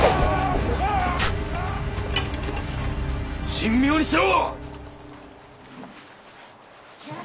神妙にしろ！